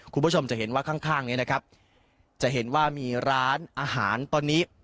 คุณผู้ชมจะเห็นว่าข้างข้างนี้นะครับจะเห็นว่ามีร้านอาหารตอนนี้